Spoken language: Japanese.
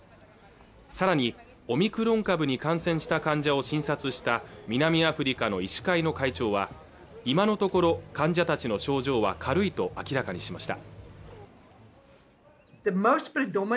さらにオミクロン株に感染した患者を診察した南アフリカの医師会の会長は今のところ患者たちの症状は軽いと明らかにしました